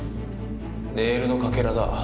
ネイルのかけらだ。